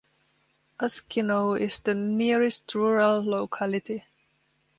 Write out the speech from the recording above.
Askino is the nearest rural locality.